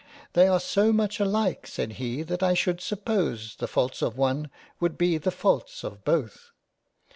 " They are so much alike (said he) that I should suppose the faults of one, would be the faults of both."